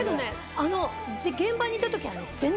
あの現場にいた時はね。